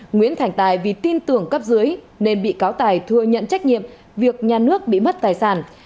nguyễn thành tài vì tin tưởng cấp dưới nên bị cáo tài thừa nhận trách nhiệm việc nhà nước bị mất tài sản